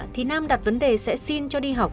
thì nam đặt vấn đề sẽ xin cho đi học